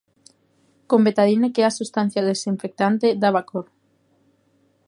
Con betadine, que é unha substancia desinfectante, daba cor.